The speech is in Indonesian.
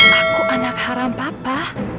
aku anak haram papa